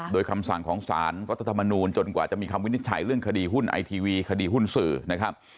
โดยคำสั่งของสารรัฐธรรมนูลจนกว่าจะมีคำวินิจฉัยเรื่องคดีหุ้นไอทีวีคดีหุ้นสื่อนะครับ